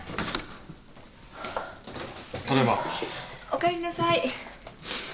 おかえりなさい。